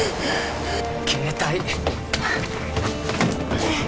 携帯